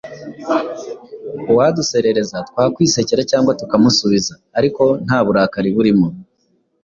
uwaduserereza twakwisekera cyangwa tukamusubiza ariko nta burakari burimo